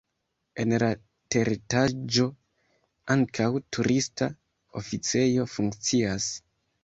En la teretaĝo ankaŭ turista oficejo funkcias.